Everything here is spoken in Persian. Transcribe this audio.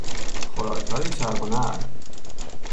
خوراکهای چرب و نرم